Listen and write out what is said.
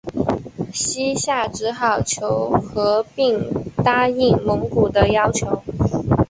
西夏只好求和并答应蒙古的要求。